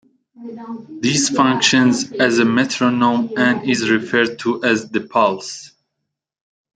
This functions as a metronome and is referred to as "The Pulse".